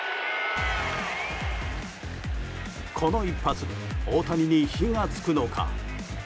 この一発で大谷に火が付くのか。